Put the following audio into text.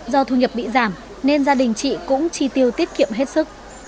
do thu nhập bị giảm nên gia đình chị cũng chi tiêu tiết kiệm hết sức